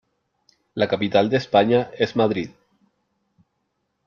La capital de España, es Madrid.